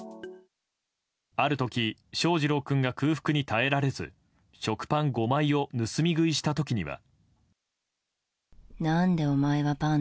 ある時、翔士郎君が空腹に耐えられず食パン５枚を盗み食いした時には。